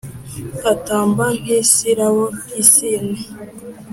atamba nk’isirabo y’isine